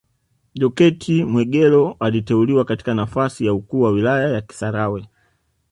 Jokate Mwegelo aliteuliwa katika nafasi ya ukuu wa wilaya ya Kisarawe